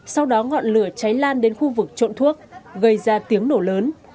sau đó ngọn lửa cháy lan đến khu vực trộn thuốc gây ra tiếng nổ lớn